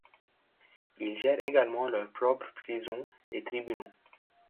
Ils gèrent également leur propres prisons et tribunaux.